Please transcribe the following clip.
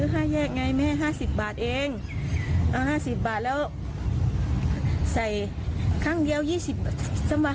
หน้ายุ่งไงแม่๕๐บาทแบบว่าเราเอาเอา๕๐บาท